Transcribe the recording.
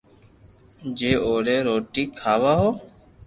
جو ا، ي روٽي کاو ھون